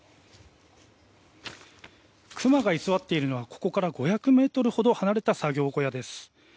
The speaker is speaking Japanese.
クマが居座っているのはここから５００ｍほど離れた作業小屋です。